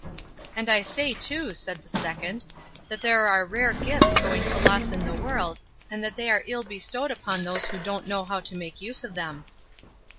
'And I say too,' said the second, 'that there are rare gifts going to loss in the world, and that they are ill bestowed upon those who don't know how to make use of them.